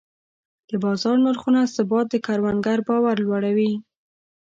د بازار نرخونو ثبات د کروندګر باور لوړوي.